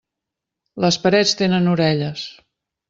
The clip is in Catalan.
Les parets tenen orelles.